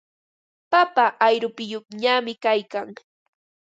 Papa ayrumpiyuqñami kaykan.